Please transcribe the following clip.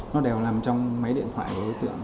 nó đều nằm trong máy điện thoại của đối tượng